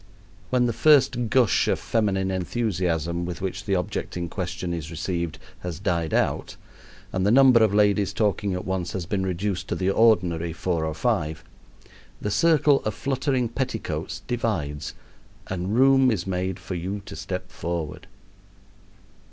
When the first gush of feminine enthusiasm with which the object in question is received has died out, and the number of ladies talking at once has been reduced to the ordinary four or five, the circle of fluttering petticoats divides, and room is made for you to step forward.